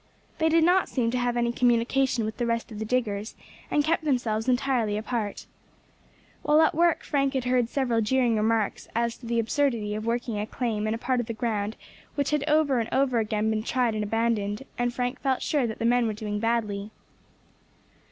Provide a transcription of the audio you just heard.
They did not seem to have any communication with the rest of the diggers, and kept themselves entirely apart. While at work Frank had heard several jeering remarks as to the absurdity of working a claim in a part of the ground which had over and over again been tried and abandoned, and Frank felt sure that the men were doing badly.